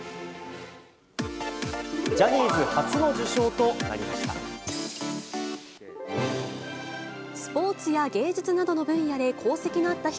ジャニーズ初の受章となりました。